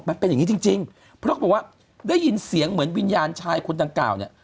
มันเป็นอย่างนี้จริงจริงเพราะเขาบอกว่าได้ยินเสียงเหมือนวิญญาณชายคนดังกล่าวเนี่ย